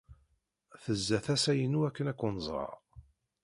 Tezza tasa-inu akken ad ken-ẓreɣ.